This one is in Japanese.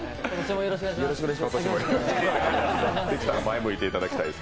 よろしくお願いします。